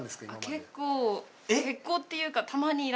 結構っていうか。